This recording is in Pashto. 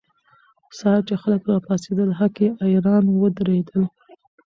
سهار چې خلک راپاڅېدل، هکي اریان ودرېدل.